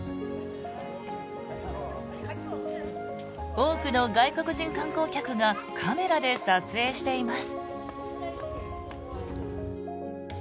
多くの外国人観光客がカメラで撮影しています。